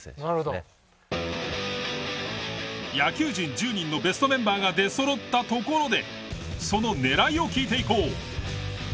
野球人１０人のベストメンバーが出そろったところでその狙いを聞いていこう。